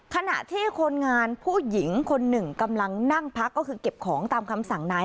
ขณะที่คนงานผู้หญิงคนหนึ่งกำลังนั่งพักก็คือเก็บของตามคำสั่งนาย